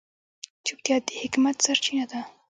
چوپتیا، د حکمت سرچینه ده.